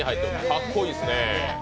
かっこいいですね。